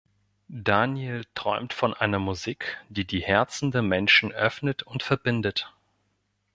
Daniel träumt von einer Musik, die die Herzen der Menschen öffnet und verbindet.